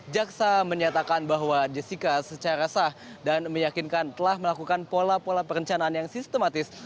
jaksa menyatakan bahwa jessica secara sah dan meyakinkan telah melakukan pola pola perencanaan yang sistematis